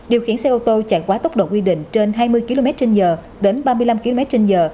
điều khiển xe ô tô chạy quá tốc độ quy định trên hai mươi km trên giờ đến ba mươi năm km trên giờ